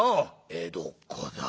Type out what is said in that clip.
「江戸っ子だ。